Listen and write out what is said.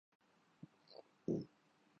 نہ ہی کہیں پر شرمسار کرتا ہے۔